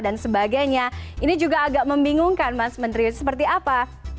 dan sebagainya ini juga agak membingungkan mas menteri seperti apa